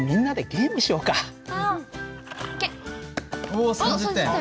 お３０点。